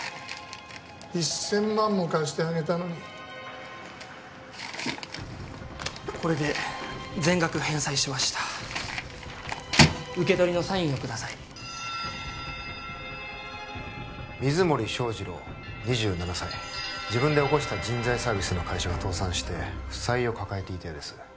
一千万も貸してあげたのにこれで全額返済しました受け取りのサインをください水森祥二朗２７歳自分で起こした人材サービスの会社が倒産して負債を抱えていたようです